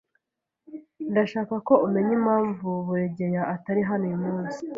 Ndashaka ko umenya impamvu Buregeya atari hano uyu munsi